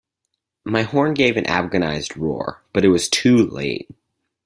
My horn gave an agonised roar, but it was too late.